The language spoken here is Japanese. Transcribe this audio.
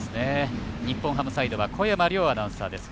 日本ハムサイドは小山凌アナウンサーです。